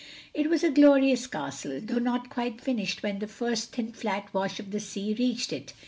It was a glorious castle, though not quite finished when the first thin flat wash of the sea reached it.